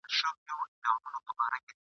رواني او پای یې هیچا ته څرګند نه دی ..